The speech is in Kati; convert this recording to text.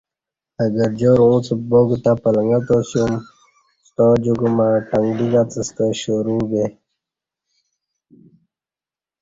اہ گرجار اُنڅ باک تہ پلݣہ تا سیوم ستاجِک مع ٹنگلیک اڅہ ستہ شروع بے